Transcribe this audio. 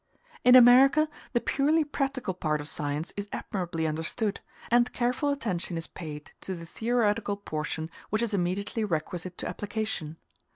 In America the purely practical part of science is admirably understood, and careful attention is paid to the theoretical portion which is immediately requisite to application.